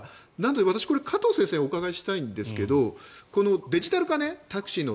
私、加藤先生にお伺いしたいんですがデジタル化、タクシーの。